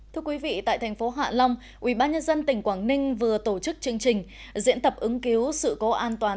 thưa quý vị tại tp hcm ubnd tp hcm vừa tổ chức chương trình diễn tập ứng cứu sự cố an toàn